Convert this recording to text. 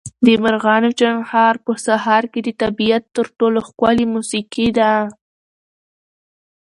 د مرغانو چڼهار په سهار کې د طبیعت تر ټولو ښکلې موسیقي ده.